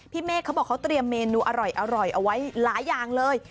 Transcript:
เมฆเขาบอกเขาเตรียมเมนูอร่อยเอาไว้หลายอย่างเลย